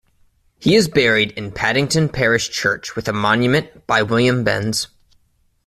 He is buried in Paddington Parish Church with a monument by William Behnes.